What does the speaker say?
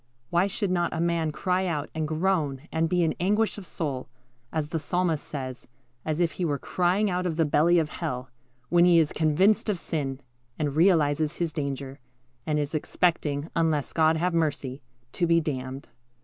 Why should not a man cry out, and groan, and be in anguish of soul, as the Psalmist says, as if he were crying out of the belly of hell, when he is convinced of sin, and realizes his danger, and is expecting, unless God have mercy, to be damned?